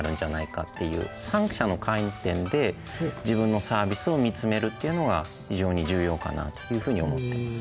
３者の観点で自分のサービスを見つめるっていうのが非常に重要かなというふうに思ってます。